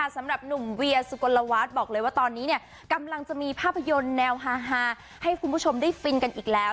สำหรับหนุ่มเวียสุกลวัฒน์บอกเลยว่าตอนนี้เนี่ยกำลังจะมีภาพยนตร์แนวฮาให้คุณผู้ชมได้ฟินกันอีกแล้ว